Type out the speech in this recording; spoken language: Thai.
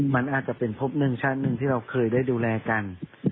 มันอาจจะเป็นพบหนึ่งชาติหนึ่งที่เราเคยได้ดูแลกัน